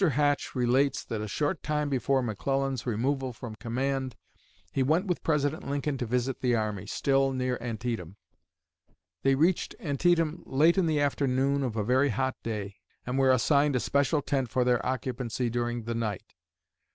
Hatch relates that a short time before McClellan's removal from command he went with President Lincoln to visit the army, still near Antietam. They reached Antietam late in the afternoon of a very hot day, and were assigned a special tent for their occupancy during the night.